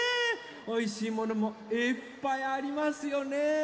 おいしいものもいっぱいありますよね。